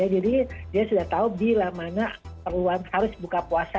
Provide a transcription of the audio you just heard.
jadi dia sudah tahu bila mana perluan harus buka puasa